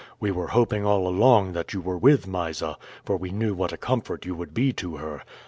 We were hoping all along that you were with Mysa, for we knew what a comfort you would be to her.